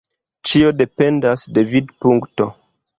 Ĉio dependas de vidpunkto.